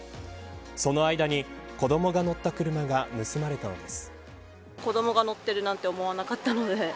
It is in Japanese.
その間に、子どもが乗った車が盗まれたのです。